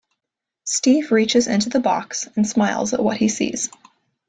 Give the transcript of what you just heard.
Steve reaches into the box, and smiles at what he sees.